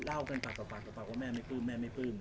เล่ากันปากต่อปากต่อปากว่าแม่ไม่ปลื้มแม่ไม่ปลื้ม